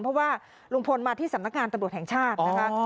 เพราะว่าลุงพลมาที่สำนักงานตำรวจแห่งชาตินะคะ